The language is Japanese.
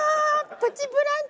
「プチブランチ」